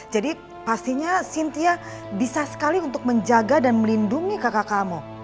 jadi pastinya cynthia bisa sekali untuk menjaga dan melindungi kakak kamu